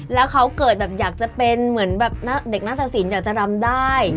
แล้วเขาเกิดแบบอยากจะเป็นเหมือนแบบเด็กหน้าตะสินอยากจะรำได้